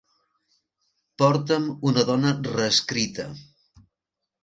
Porta'm una dona reescrita.